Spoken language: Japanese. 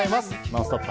「ノンストップ！」